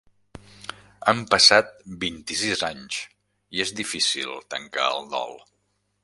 Han passat vint-i-sis anys i és difícil tancar el dol.